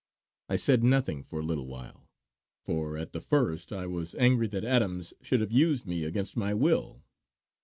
I said nothing for a little while; for at the first I was angry that Adams should have used me against my will.